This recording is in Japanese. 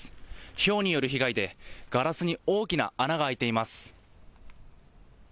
ひょうによる被害でガラスに大きな穴が開いています。